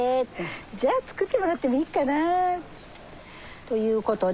じゃあ作ってもらってもいいかな。という事で。